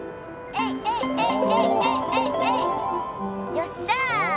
よっしゃ！